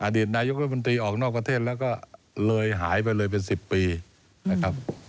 ดีตนายกรัฐมนตรีออกนอกประเทศแล้วก็เลยหายไปเลยเป็น๑๐ปีนะครับ